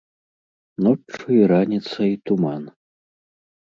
Ноччу і раніцай туман.